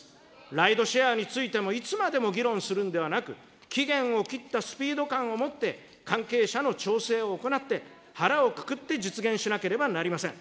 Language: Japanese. ライドシェアについても、いつまでも議論するんではなく、期限を切ったスピード感を持って、関係者の調整を行って、腹をくくって実現しなければなりません。